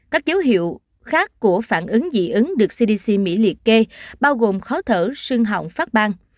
các dấu hiệu khác của phản ứng dị ứng được cdc mỹ liệt kê bao gồm khó thở sương hỏng phát ban